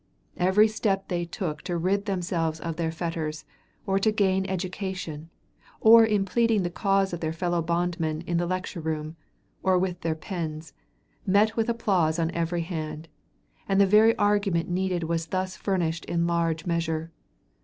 Every step they took to rid themselves of their fetters, or to gain education, or in pleading the cause of their fellow bondmen in the lecture room, or with their pens, met with applause on every hand, and the very argument needed was thus furnished in large measure.